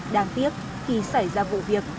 đáng tiếc khi xảy ra vụ việc